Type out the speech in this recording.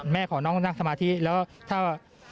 แม่ขอน้องนั่งสมาธิแล้วก็ถ้า